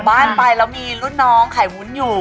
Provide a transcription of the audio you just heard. กลับบ้านไปเรามีรุ่นน้องขายวุ้นอยู่